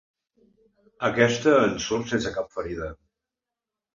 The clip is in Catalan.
Aquesta en surt sense cap ferida.